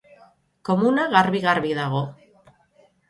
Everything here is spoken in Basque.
Komuna garbi-garbi dago.